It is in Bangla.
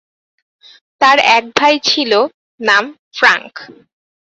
তার এক ভাই ছিল, নাম ফ্রাঙ্ক।